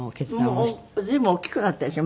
もう随分大きくなったでしょ？